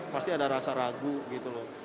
pasti ada rasa ragu gitu loh